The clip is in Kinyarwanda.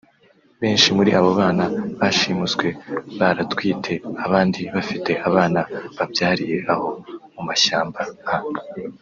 Benshi muri abo bana bashimuswe baratwite abandi bafite abana babyariye aho mu mashyamaba nk